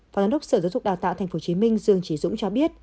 phó giám đốc sở giáo dục đào tạo tp hcm dương trí dũng cho biết